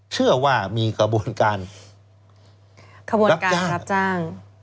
เชื่อว่ามีกระบวนการขบวนการรับจ้าง